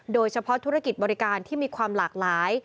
โดยเฉพาะธุรกิจบริการที่มีความหลากหลาย